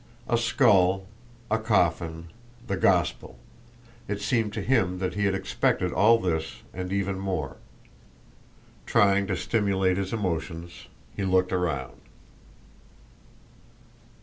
A skull, a coffin, the Gospel—it seemed to him that he had expected all this and even more. Trying to stimulate his emotions he looked around.